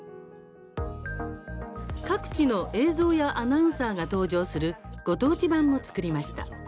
各地の映像やアナウンサーが登場するご当地版も作りました。